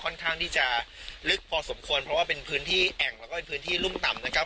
ข้างที่จะลึกพอสมควรเพราะว่าเป็นพื้นที่แอ่งแล้วก็เป็นพื้นที่รุ่มต่ำนะครับ